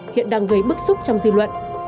hiện đang gây bức xúc trong dư luận